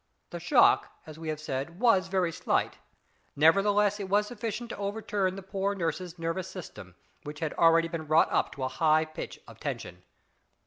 The shock, as we have said, was very slight, nevertheless it was sufficient to overturn the poor nurse's nervous system, which had already been wrought up to a high pitch of tension.